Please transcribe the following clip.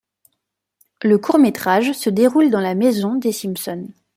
Le court métrage se déroule dans la maison des Simpson.